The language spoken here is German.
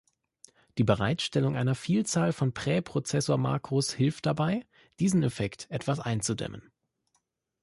Die Bereitstellung einer Vielzahl von Präprozessor-Makros hilft dabei, diesen Effekt etwas einzudämmen.